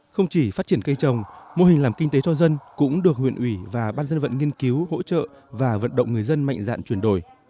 không chỉ phát triển cây trồng mô hình làm kinh tế cho dân cũng được huyện ủy và ban dân vận nghiên cứu hỗ trợ và vận động người dân mạnh dạn chuyển đổi